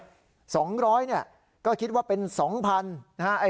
๒๐๐เนี่ยก็คิดว่าเป็น๒๐๐๐นะฮะ